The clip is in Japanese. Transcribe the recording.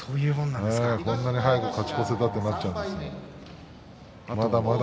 こんなに早く勝ち越せたとなるんです。